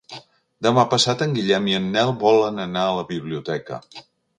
Demà passat en Guillem i en Nel volen anar a la biblioteca.